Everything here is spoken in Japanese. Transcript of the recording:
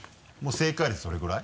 正解率どれぐらい？